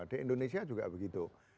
di indonesia juga begitu